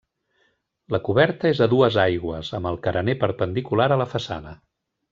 La coberta és a dues aigües, amb el carener perpendicular a la façana.